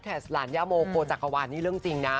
หลานย่าโมโคจักรวาลนี่เรื่องจริงนะ